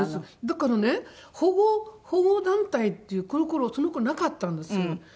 だからね保護保護団体っていうその頃なかったんですよ。